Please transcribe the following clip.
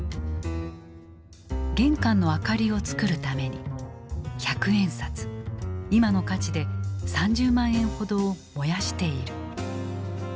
玄関の明かりをつくるために百円札今の価値で３０万円ほどを燃やしている。